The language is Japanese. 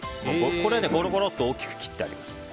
これ、ゴロゴロッと大きく切ってあります。